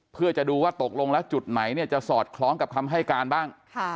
เพื่อจะดูว่าตกลงแล้วจุดไหนเนี่ยจะสอดคล้องกับคำให้การบ้าง